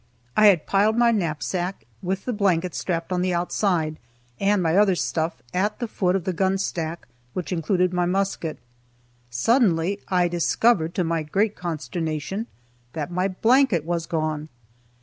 I had piled my knapsack, with the blanket strapped on the outside, and my other stuff, at the foot of the gun stack which included my musket. Suddenly I discovered, to my great consternation, that my blanket was gone!